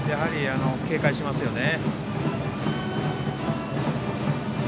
警戒していますよね。